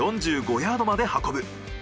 ４５ヤードまで運ぶ。